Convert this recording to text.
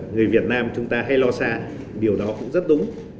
người việt nam chúng ta hay lo xa điều đó cũng rất đúng